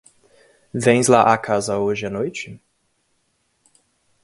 Vens lá a casa hoje à noite?